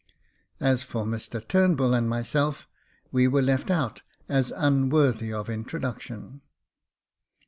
As for Mr Turnbull and myself, we were left out, as unworthy of introduction.